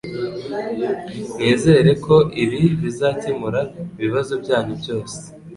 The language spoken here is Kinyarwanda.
Nizere ko ibi bizakemura ibibazo byanyu byose.